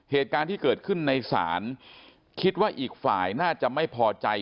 เหตุการณ์ที่เกิดขึ้นในศาลคิดว่าอีกฝ่ายน่าจะไม่พอใจ